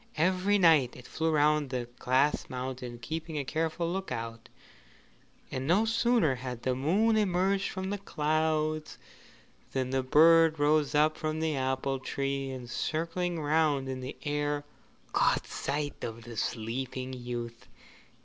Every night it flew round the Glass Mountain keeping a careful look out, and no sooner had the moon emerged from the clouds than the bird rose up from the apple tree, and circling round in the air, caught sight of the sleeping youth.